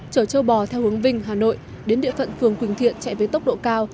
chở châu bò theo hướng vinh hà nội đến địa phận phường quỳnh thiện chạy với tốc độ cao